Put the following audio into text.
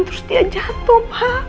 terus dia jatuh pa